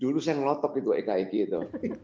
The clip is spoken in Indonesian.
dulu saya ngelotok gitu eka eki itu